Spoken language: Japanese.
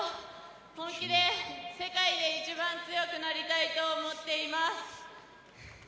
本気で世界で一番強くなりたいと思っています。